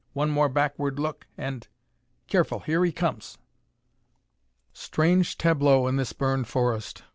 "One more backward look and Careful! Here he comes!" Strange tableau in this burned forest!